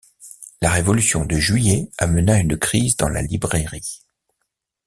La révolution de Juillet amena une crise dans la librairie.